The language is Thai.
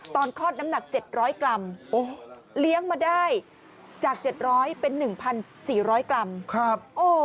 คลอดน้ำหนัก๗๐๐กรัมเลี้ยงมาได้จาก๗๐๐เป็น๑๔๐๐กรัม